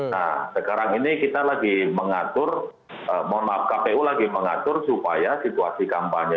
nah sekarang ini kita lagi mengatur mohon maaf kpu lagi mengatur supaya situasi kampanye